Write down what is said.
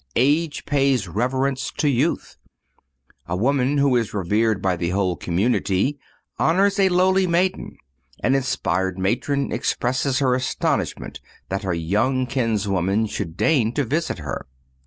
Age pays reverence to youth. A lady who is revered by the whole community honors a lowly maiden. An inspired matron expresses her astonishment that her young kinswoman should deign to visit her.